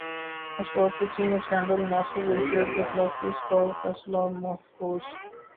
spot fixing اسکینڈلناصر Jamshed کیخلاف case کا فیصلہ محفوظ